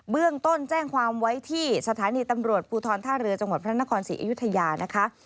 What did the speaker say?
เรื่องต้นแจ้งความไว้ที่สถานีตำรวจภูทรท่าเรือจังหวัดพระนครศรีอยุธยานะคะ